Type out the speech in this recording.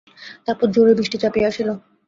তারপর জোরে বৃষ্টি চাপিয়া আসিল।